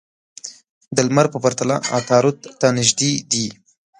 د لمر په پرتله عطارد ته نژدې دي.